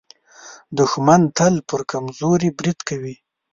دښمن تل پر کمزوري برید کوي